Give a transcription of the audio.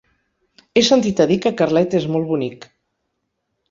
He sentit a dir que Carlet és molt bonic.